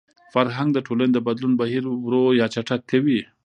فرهنګ د ټولني د بدلون بهیر ورو يا چټک کوي.